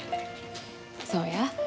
そうや。